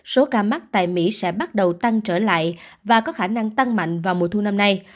số ca mắc tại mỹ sẽ bắt đầu tăng trở lại và có khả năng tăng mạnh vào mùa thu năm nay